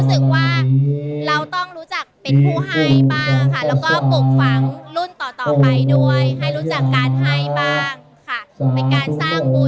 เป็นการสร้างบุญสร้างประสุนที่กับพ่อครัวด้วย